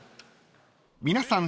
［皆さん